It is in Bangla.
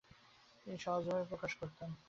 তিনি সহজভাবে প্রকাশ করতেন।